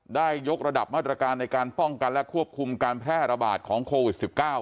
ได้ยกระดับมาตรการในการป้องกันและควบคุมการแพร่ระบาดของโควิด๑๙